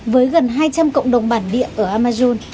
với gần hai trăm linh cộng đồng bản địa ở amazon